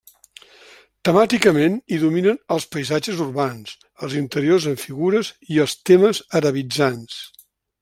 Temàticament hi dominen els paisatges urbans, els interiors amb figures i els temes arabitzants.